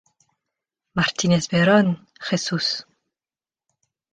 Martínez Verón, Jesús.